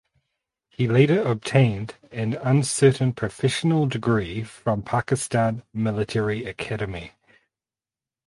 He later obtained an uncertain professional degree from Pakistan Military Academy.